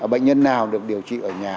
bệnh nhân nào được điều trị ở nhà